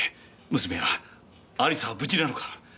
娘は亜里沙は無事なのか？